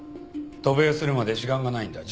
渡米するまで時間がないんだ。